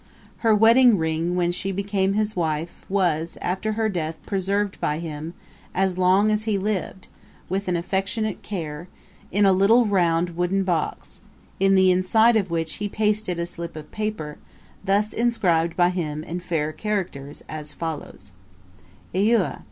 Her wedding ring, when she became his wife, was, after her death, preserved by him, as long as he lived, with an affectionate care, in a little round wooden box, in the inside of which he pasted a slip of paper, thus inscribed by him in fair characters, as follows: 'Eheu!